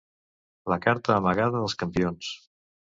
La carta amagada dels campions.